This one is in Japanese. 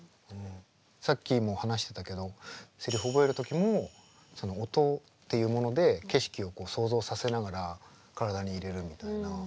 さっきも話してたけどセリフ覚える時もその音っていうもので景色を想像させながら体に入れるみたいな。